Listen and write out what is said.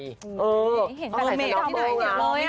เมนท์เก็บเลยอ่ะ